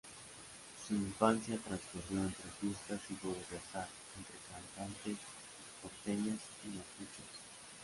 Su infancia transcurrió entre fiestas y juegos de azar, entre cantantes porteñas y mapuches.